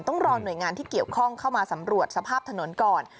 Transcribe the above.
ต้องรอหน่วยงานที่เกี่ยวข้องเข้ามาสำรวจสภาพถนนก่อน